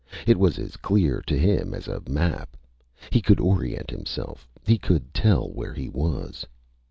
It was as clear to him as a map. He could orient himself. He could tell where he was.